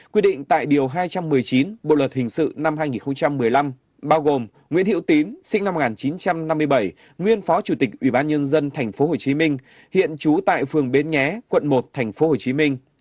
quy định tại điều hai trăm một mươi chín bộ luật hình sự năm hai nghìn một mươi năm bao gồm nguyễn hiệu tín sinh năm một nghìn chín trăm năm mươi bảy nguyên phó chủ tịch ủy ban nhân dân tp hcm hiện trú tại phường bến nghé quận một tp hcm